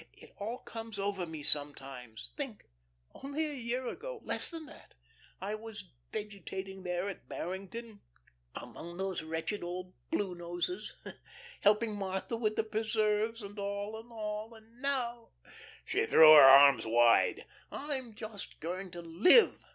It all comes over me sometimes. Think, only a year ago, less than that, I was vegetating there at Barrington, among those wretched old blue noses, helping Martha with the preserves and all and all; and now" she threw her arms wide "I'm just going to live.